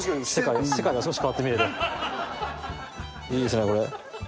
いいっすねこれ。